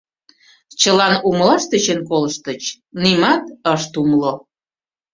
Чылан умылаш тӧчен колыштыч, нимат ышт умыло.